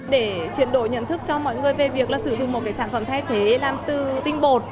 để chuyển đổi nhận thức cho mọi người về việc là sử dụng một sản phẩm thay thế làm từ tinh bột